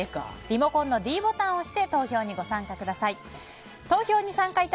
リモコンのｄボタンを押して投票にご参加ください。